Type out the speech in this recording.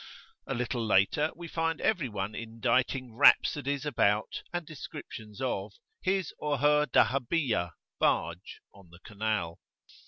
A little later we find every one inditing rhapsodies about, and descriptions of, his or her Dahabiyah (barge) on the canal.